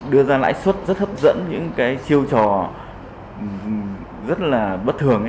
đưa ra lãi suất rất hấp dẫn những cái chiêu trò rất là bất thường